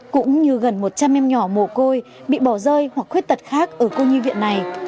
cũng như gần một trăm linh em nhỏ mồ côi bị bỏ rơi hoặc khuyết tật khác ở cô nhi viện này